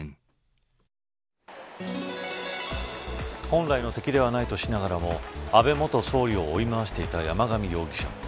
本来の敵ではないとしながらも安倍元総理を追い回していた山上容疑者。